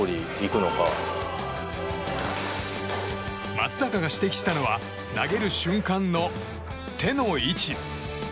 松坂が指摘したのは投げる瞬間の手の位置。